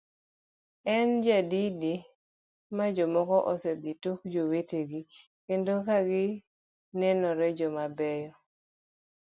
En nyadidi ma jomoko osedhi tok jowetegi kendo kagi nenore joma beyo?